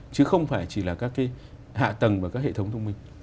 chứ không phải chỉ là các cái hạ tầng và các hệ thống thông minh